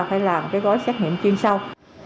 phải làm cái gói xét nghiệm chuyên sâu